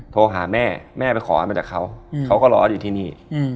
โทรหาแม่แม่ไปขอมาจากเขาเขาก็รออยู่ที่นี่